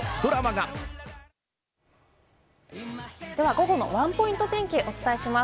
午後のワンポイント天気をお伝えします。